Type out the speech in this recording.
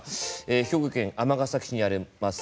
兵庫県尼崎市にあります